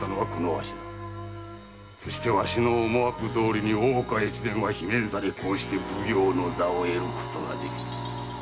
そしてわしの思惑どおり大岡は罷免され奉行の座を得ることができた。